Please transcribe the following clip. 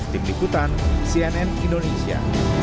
tim ikutan cnn indonesia